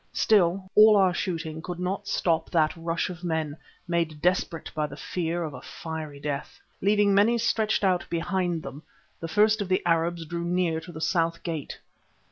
Still, all our shooting could not stop that rush of men, made desperate by the fear of a fiery death. Leaving many stretched out behind them, the first of the Arabs drew near to the south gate.